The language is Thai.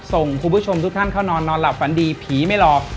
ส่งคุณผู้ชมทุกท่านเข้านอนนอนหลับฝันดีผีไม่หลอก